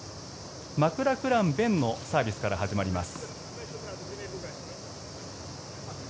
マクラクラン勉のサービスから始まります。